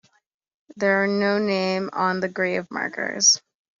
There are no names on the grave markers.